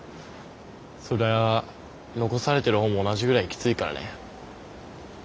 そりゃあ残されてる方も同じぐらいきついからね。